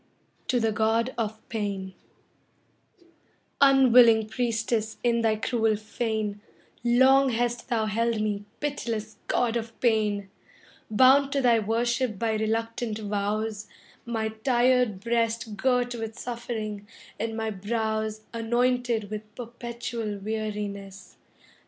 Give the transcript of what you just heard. TO THE GOD OF PAIN Unwilling priestess in thy cruel fane, Long hast thou held me, pitiless god of Pain, Bound to thy worship by reluctant vows, My tired breast girt with suffering, and my brows Anointed with perpetual weariness.